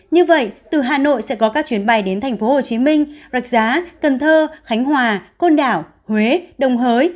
như vậy từ hà nội sẽ có các chuyến bay đến tp hcm rạch giá cần thơ khánh hòa côn đảo huế đồng hới